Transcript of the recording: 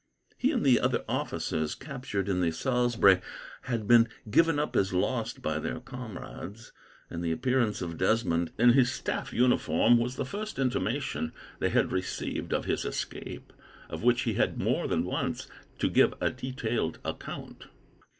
He and the other officers captured in the Salisbury had been given up as lost by their comrades; and the appearance of Desmond, in his staff uniform, was the first intimation they had received of his escape, of which he had more than once to give a detailed account.